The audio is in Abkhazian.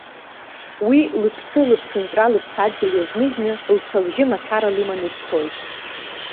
Уи лыԥсы-лыԥсынҵры лыԥсадгьыл иазныжьны, лцәа-лжьы мацара лыманы дцоит.